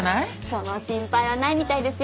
その心配はないみたいですよ。